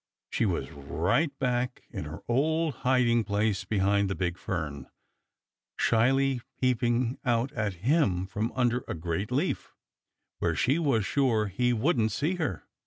She was right back in her old hiding place behind the big fern, shyly peeping out at him from under a great leaf, where she was sure he wouldn't see her.